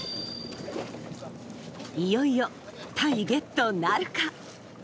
いよいよタイゲットなるか？